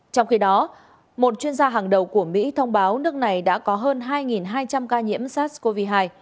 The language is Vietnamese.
trong khi đó một chuyên gia hàng đầu của mỹ thông báo nước này đã có hơn hai hai trăm linh ca nhiễm sars cov hai